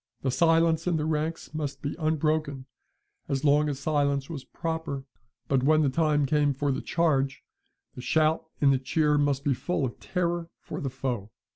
The silence in the ranks must be unbroken as long as silence was proper; but when the time came for the charge, the shout and the cheer must be full of terror for the foe.